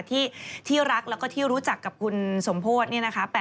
ที่รักแล้วก็ที่รู้จักกับคุณสมโพธิเนี่ยนะคะ